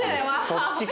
そっちか。